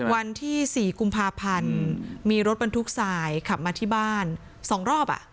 วันที่๔กุมภาพันธ์มีรถบรรทุกทรายขับมาที่บ้าน๒รอบ